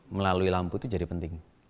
melalui lampu itu jadi penting